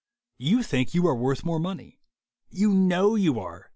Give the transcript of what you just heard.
You think you are worth more money. You know you are.